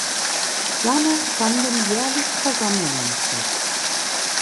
Danach fanden jährlich Versammlungen statt.